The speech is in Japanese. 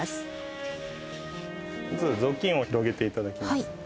まず雑巾を広げて頂きます。